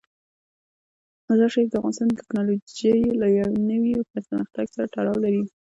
مزارشریف د افغانستان د تکنالوژۍ له نوي پرمختګ سره تړاو لري.